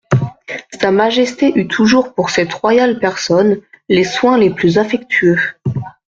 Sa Majesté eut toujours pour cette royale personne les soins les plus affectueux.